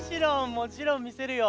もちろんみせるよ。